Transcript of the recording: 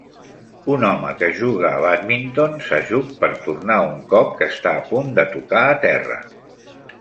Un home que juga a bàdminton s'ajup per tornar un cop que està a punt de tocar a terra.